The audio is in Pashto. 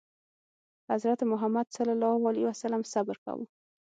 حضرت محمد ﷺ صبر کاوه.